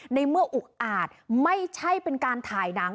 ในเมื่ออุกอาจไม่ใช่เป็นการถ่ายหนัง